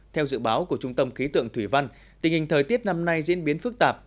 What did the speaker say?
theo dự báo của trung tâm khí tượng thủy văn tình hình thời tiết năm nay diễn biến phức tạp